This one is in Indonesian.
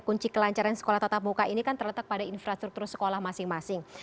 kunci kelancaran sekolah tatap muka ini kan terletak pada infrastruktur sekolah masing masing